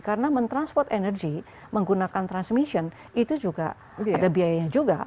karena men transport energy menggunakan transmission itu juga ada biayanya juga